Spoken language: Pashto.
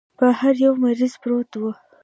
پر هر يوه مريض پروت و.